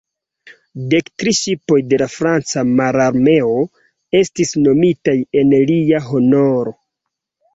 Dek tri ŝipoj de la Franca Mararmeo estis nomitaj en lia honoro.